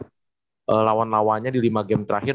mereka bisa melawan lawan lawannya di lima game terakhir